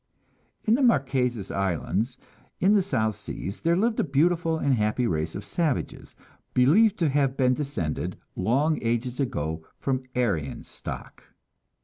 In the Marquesas Islands, in the South Seas, there lived a beautiful and happy race of savages, believed to have been descended, long ages ago, from Aryan stock.